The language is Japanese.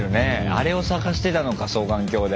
あれを探してたのか双眼鏡で。